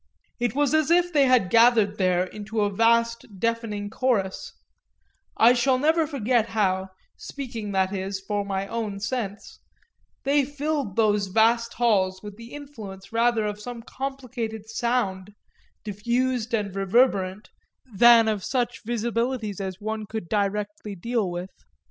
It was as if they had gathered there into a vast deafening chorus; I shall never forget how speaking, that is, for my own sense they filled those vast halls with the influence rather of some complicated sound, diffused and reverberant, than of such visibilities as one could directly deal with.